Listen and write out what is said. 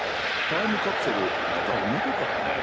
タイムカプセルまた埋めたからね。